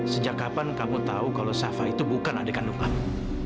sejak kapan kamu tahu kalau safa itu bukan adik kandung kamu